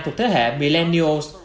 thuộc thế hệ millennials